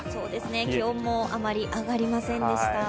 気温もあまり上がりませんでした。